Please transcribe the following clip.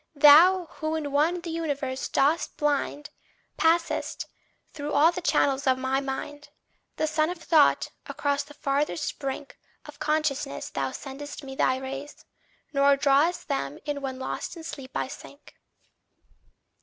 Thou who in one the universe dost bind, Passest through all the channels of my mind; The sun of thought, across the farthest brink Of consciousness thou sendest me thy rays; Nor drawest them in when lost in sleep I sink.